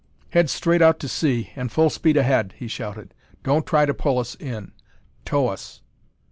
"Head straight out to sea and full speed ahead!" he shouted. "Don't try to pull us in; tow us!"